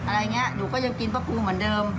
อะไรอย่างนี้หนูก็ยังกินพระครูเหมือนเดิม